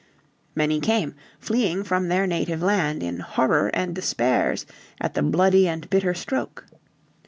Many came, fleeing from their native land "in horror and despairs at the bloody and bitter stroke."